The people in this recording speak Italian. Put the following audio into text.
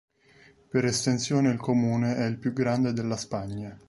Per estensione il comune è il più grande della Spagna.